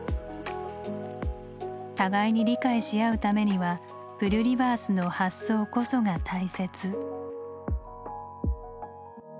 互いに理解し合うためにはプリュリバースの発想こそが大切。